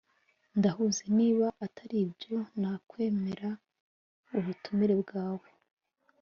ndahuze. niba ataribyo, nakwemera ubutumire bwawe